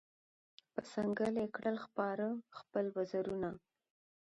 پر ځنګله یې کړل خپاره خپل وزرونه